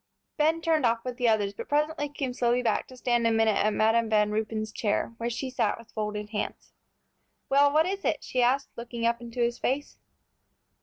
Ben turned off with the others, but presently came slowly back to stand a minute at Madam Van Ruypen's chair, where she sat with folded hands. "Well, what is it?" she asked, looking up into his face.